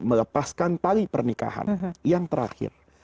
melepaskan tali pernikahan yang terakhir